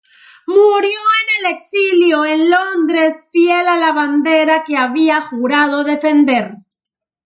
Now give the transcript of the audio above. Murió en el exilio, en Londres, fiel a la bandera que había jurado defender.